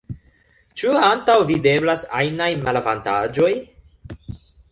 Ĉu antaŭvideblas ajnaj malavantaĝoj?